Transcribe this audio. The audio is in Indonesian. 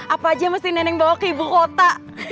apa aja mesti neneng bawa ke ibu kota